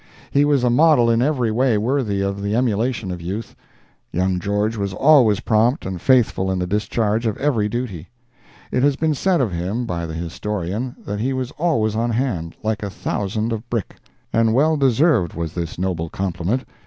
He was a model in every way worthy of the emulation of youth. Young George was always prompt and faithful in the discharge of every duty. It has been said of him, by the historian, that he was always on hand, like a thousand of brick. And well deserved was this noble compliment.